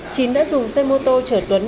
chín đã dùng xe mô tô chở tuấn